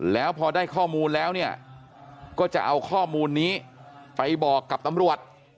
แล้วพอได้ข้อมูลแล้วเนี่ยก็จะเอาข้อมูลนี้ไปบอกกับตำรวจ